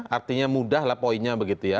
artinya mudah lah poinnya begitu ya